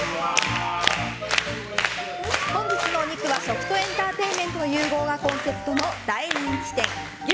本日のお肉は食とエンターテインメントの融合がコンセプトの大人気店牛